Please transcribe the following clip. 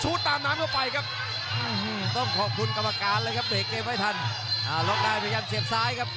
โอ้แล้ววงในยังเป็นของเขาอยู่ครับ